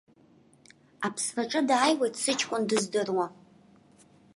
Аԥсраҿы дааиуеит сыҷкәын дыздыруаз.